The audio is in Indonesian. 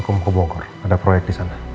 hukum ke bogor ada proyek disana